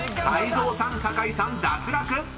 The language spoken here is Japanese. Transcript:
［泰造さん酒井さん脱落！］